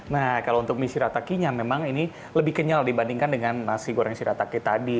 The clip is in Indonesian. nah kalau untuk mie shiratakinya memang ini lebih kenyal dibandingkan dengan nasi goreng shirataki tadi